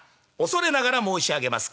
『恐れながら申し上げます。